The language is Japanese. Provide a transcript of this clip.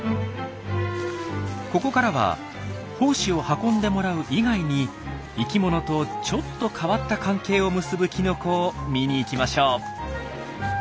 ここからは胞子を運んでもらう以外に生きものとちょっと変わった関係を結ぶきのこを見に行きましょう。